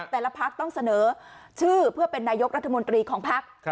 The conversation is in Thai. แต่ละพักต้องเสนอชื่อเพื่อเป็นนายกรัฐมนตรีของพัก